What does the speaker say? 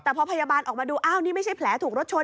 แต่พอพยาบาลออกมาดูอ้าวนี่ไม่ใช่แผลถูกรถชน